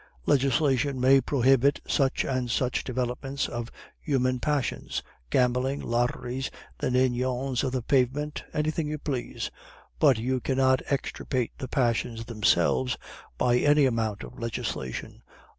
Legislation may prohibit such and such developments of human passions gambling, lotteries, the Ninons of the pavement, anything you please but you cannot extirpate the passions themselves by any amount of legislation.